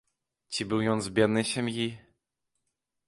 Ці быў ён з беднай сям'і?